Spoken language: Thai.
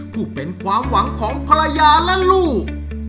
ผู้เป็นความหวังของภรรยาและลูก